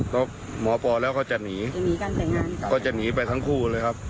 ก็หมอปอแล้วก็จะหนีก็จะหนีไปทั้งคู่เลยครับ